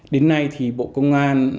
đến nay thì bộ công an